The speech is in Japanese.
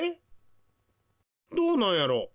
どうなんやろ？